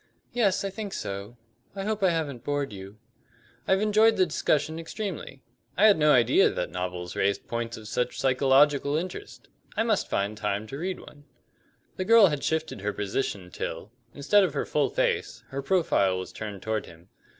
"Yes, I think so. I hope I haven't bored you?" "I've enjoyed the discussion extremely. I had no idea that novels raised points of such psychological interest. I must find time to read one." The girl had shifted her position till, instead of her full face, her profile was turned toward him.